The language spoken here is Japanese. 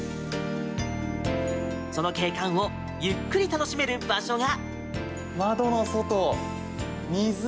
その景観をゆっくり楽しめる場所が。